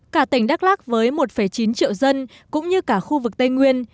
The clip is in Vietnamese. cả tỉnh đắk lắc với một chín triệu dân cũng như cả khu vực tây nguyên